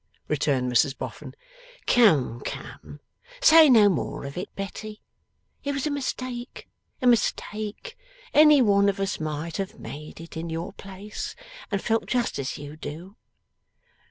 returned Mrs Boffin. 'Come, come! Say no more of it, Betty. It was a mistake, a mistake. Any one of us might have made it in your place, and felt just as you do.